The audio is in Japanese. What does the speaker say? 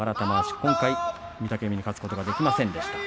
今回、御嶽海に勝つことができませんでした。